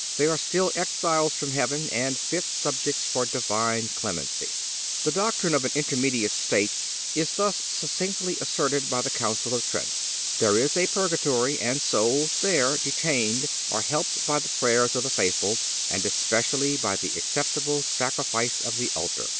They are still exiles from heaven and fit subjects for Divine clemency. The doctrine of an intermediate state is thus succinctly asserted by the Council of Trent: "There is a Purgatory, and souls there detained, are helped by the prayers of the faithful, and especially by the acceptable Sacrifice of the Altar."